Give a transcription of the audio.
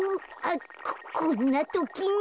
ここんなときに。